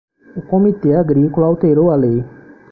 O Comitê Agrícola alterou a lei